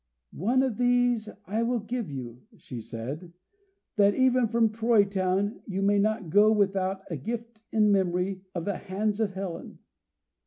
"One of these I will give you," she said, "that even from Troy town you may not go without a gift in memory of the hands of Helen."